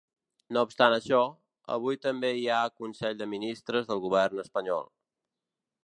No obstant això, avui també hi ha consell de ministres del govern espanyol.